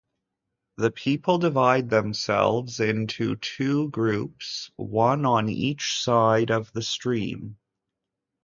The people divide themselves into two groups, one on each side of the stream.